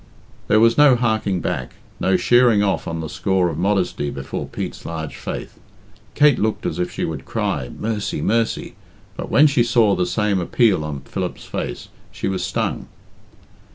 There was no harking back, no sheering off on the score of modesty before Pete's large faith. Kate looked as if she would cry "Mercy, mercy!" but when she saw the same appeal on Philip's face she was stung.